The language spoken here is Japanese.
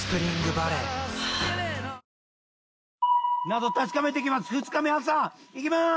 謎確かめてきます。